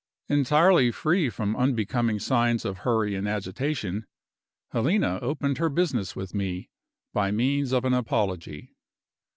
Entirely free from unbecoming signs of hurry and agitation, Helena opened her business with me by means of an apology.